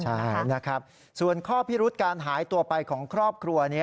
ใช่นะครับส่วนข้อพิรุษการหายตัวไปของครอบครัว